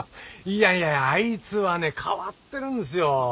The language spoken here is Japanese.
いやいやあいつはね変わってるんですよ。